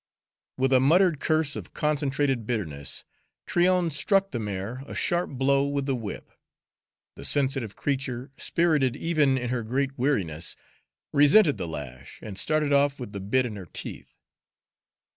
With a muttered curse of concentrated bitterness, Tryon struck the mare a sharp blow with the whip. The sensitive creature, spirited even in her great weariness, resented the lash and started off with the bit in her teeth.